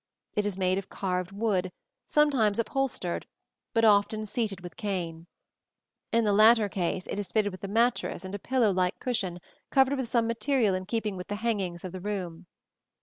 It is made of carved wood, sometimes upholstered, but often seated with cane (see Plate XXXIX). In the latter case it is fitted with a mattress and with a pillow like cushion covered with some material in keeping with the hangings of the room.